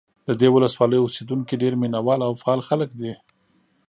د دې ولسوالۍ اوسېدونکي ډېر مینه وال او فعال خلک دي.